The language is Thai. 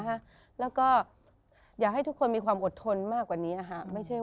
ฮะแล้วก็อยากให้ทุกคนมีความอดทนมากกว่านี้นะฮะไม่ใช่